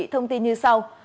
thông tin như sau